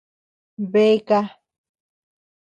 Beaka.